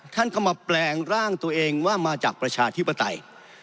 ท่านก็มาแปลงร่างตัวเองว่ามาจากประชาธิปไตย